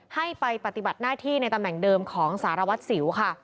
ให้ไปปฏิบัติหน้าที่ในตำแหน่งเดิมของสารวัตรสิวค่ะ